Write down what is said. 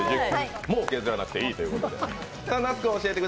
もう削らなくていいということで。